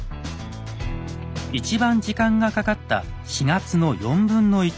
一番時間がかかった４月の1/4ほど。